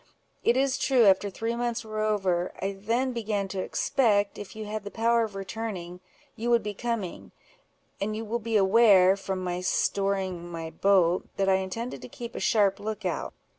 It is true, after three months were over, I then began to expect, if you had the power of returning, you would be coming; and you will be aware, from my storing my boat, that I intended to keep a sharp look out.